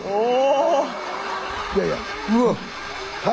お。